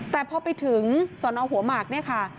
แต่พอไปถึงสอนอหัวหมากเนี่ยค่ะ